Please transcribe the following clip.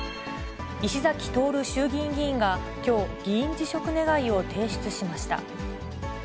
石崎徹衆議院議員がきょう、議員辞職願を提出しました。